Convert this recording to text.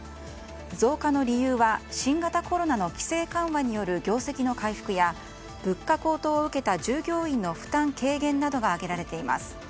増加の理由は新型コロナの規制緩和による業績の回復や物価高騰を受けた従業員の負担軽減などが挙げられています。